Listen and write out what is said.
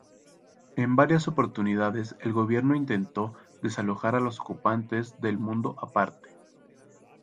En varias oportunidades el gobierno intentó desalojar a los ocupantes del Mundo Aparte.